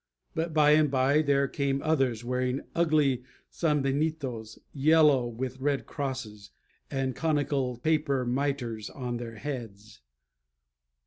But by and by there came others, wearing ugly sanbenitos yellow, with red crosses and conical paper mitres on their heads.